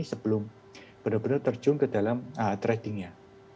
dan juga menggunakan aplikasi yang belum benar benar terjun ke dalam tradingnya